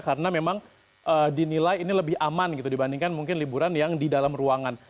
karena memang dinilai ini lebih aman dibandingkan mungkin liburan yang di dalam ruangan